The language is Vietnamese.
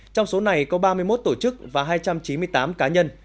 trong số này có ba mươi một tổ chức và hai trăm chín mươi tám cá nhân